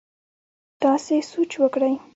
تاسي سوچ وکړئ!